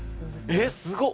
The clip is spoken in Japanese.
えっすごっ！